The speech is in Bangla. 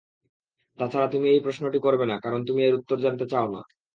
তাছাড়া তুমি এই প্রশ্নটি করবেনা কারণ, তুমি এর উত্তর জানতে চাওনা।